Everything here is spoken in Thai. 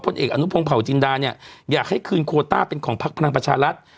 พลเอกอนุพงธ์เผาจินดาเนี่ยอยากให้คืนโควต้าเป็นของภักดาลพัชรัตน์